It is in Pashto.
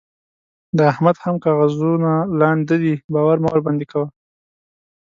د احمد هم کاغذونه لانده دي؛ باور مه ورباندې کوه.